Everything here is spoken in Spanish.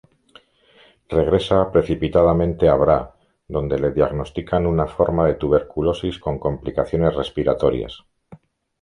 Regresa precipitadamente a Bra, donde le diagnostican una forma de tuberculosis con complicaciones respiratorias.